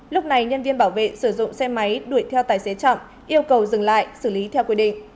lúc này nhân viên bảo vệ sử dụng xe máy đuổi theo tài xế trọng yêu cầu dừng lại xử lý theo quy định